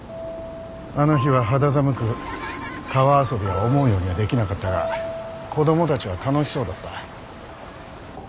あの日は肌寒く川遊びは思うようにはできなかったが子供たちは楽しそうだった。